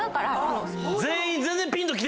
全員。